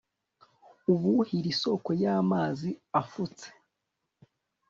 ibuhire isoko y'amazi afutse